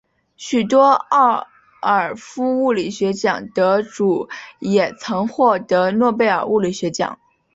许多沃尔夫物理学奖得主也曾经获得诺贝尔物理学奖。